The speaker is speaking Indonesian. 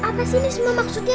apa sih ini semua maksudnya